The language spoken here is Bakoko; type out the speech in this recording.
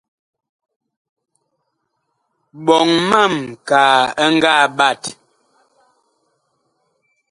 Ɓoŋ mam kaa ɛ ngaa ɓat.